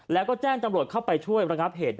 แล้วก็แจ้งจำรวจเข้าไปช่วยระงับเหตุ